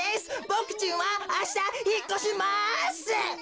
ボクちんはあしたひっこします！